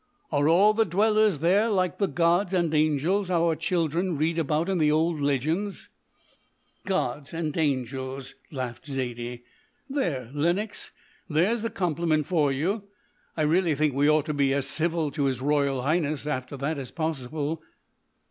"Are all the dwellers there like the gods and angels our children read about in the old legends?" "Gods and angels!" laughed Zaidie. "There, Lenox, there's a compliment for you. I really think we ought to be as civil to his Royal Highness after that as possible."